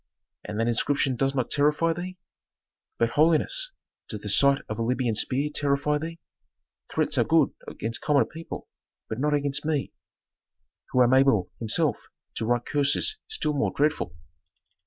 '" "And that inscription does not terrify thee?" "But, holiness, does the sight of a Libyan spear terrify thee? Threats are good against common people, but not against me, who am able myself to write curses still more dreadful."